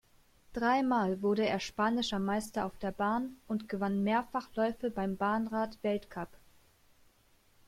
Dreimal wurde er spanischer Meister auf der Bahn und gewann mehrfach Läufe beim Bahnrad-Weltcup.